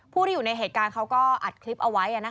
ผู้ที่อยู่ในเหตุการณ์เขาก็อัดคลิปเอาไว้